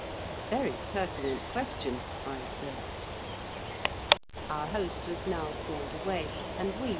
" "A very pertinent question/' I observed. Our host was now called away, and w^e